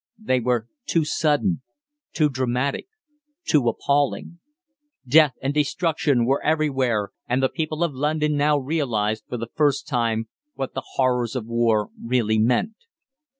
They were too sudden, too dramatic, too appalling. Death and destruction were everywhere, and the people of London now realised for the first time what the horrors of war really meant.